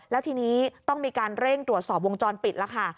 แล้วทีนี้ต้องมีการเร่งตรวจสอบวงจรปิดแล้วค่ะ